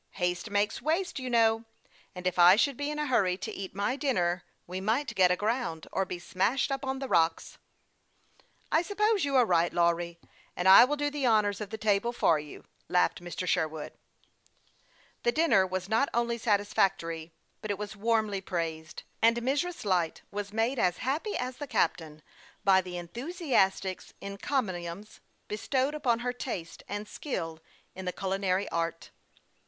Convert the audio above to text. Haste makes waste, you know ; and if I should be in a hurry to eat my dinner we might get aground, or be smashed up on the rocks." " I suppose you are right, Lawry, and I will do THE YOUNG PILOT OF LAKE CHAMPLAIN. 239 the honors of the table for you," laughed Mr. Sherwood. The dinner was not only satisfactory, but it was warmly praised ; and Mrs. Light was made as happy as the captain by the enthusiastic encomiums be stowed upon her taste and skill in the culinary art.